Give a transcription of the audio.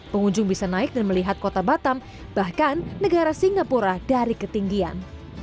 pengunjung bisa naik dan melihat kota batam bahkan negara singapura dari ketinggian